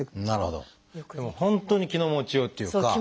でも本当に気の持ちようっていうか。